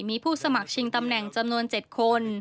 มีผู้สมัครชิงตำแหน่งจำนวน๗คน